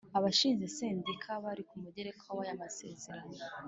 Abashinze Sendika bari ku mugereka waya masezerano